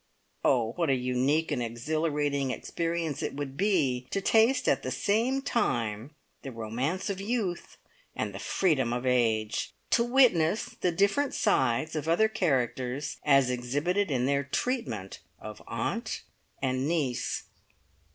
oh, what a unique and exhilarating experience it would be to taste at the same time the romance of youth and the freedom of age, to witness the different sides of other characters as exhibited in their treatment of aunt and niece.